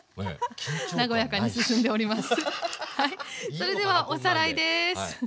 それではおさらいです。